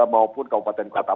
maupun kabupaten kota